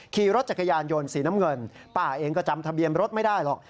ขี่รถจักรยานยนต์สีน้ำเงินป้าเองก็จำทะเบียนรถไม่ได้หรอก